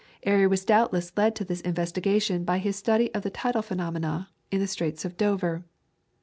Airy was doubtless led to this investigation by his study of the tidal phenomena in the Straits of Dover.